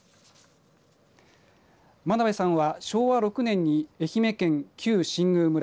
真鍋さんは、昭和６年に愛媛県旧新宮村